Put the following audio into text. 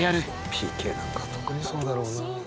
ＰＫなんか特にそうだろうな。